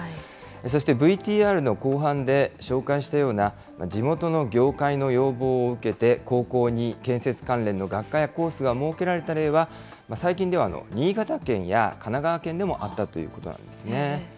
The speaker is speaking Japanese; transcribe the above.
そしてＶＴＲの後半で紹介したような、地元の業界の要望を受けて、高校に建設関連の学科やコースが設けられた例は、最近では新潟県や神奈川県でもあったということなんですね。